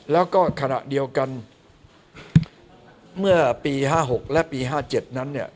แล้วก็ขณะเดียวกันเมื่อปี๕๖และปี๕๗นั้นเนี่ย